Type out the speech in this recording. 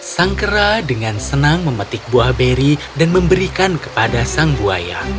sang kera dengan senang memetik buah beri dan memberikan kepada sang buaya